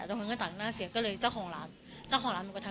ตรงนั้นก็ตัดหน้าเสียก็เลยเจ้าของร้านเจ้าของร้านมีกว่าทั้ง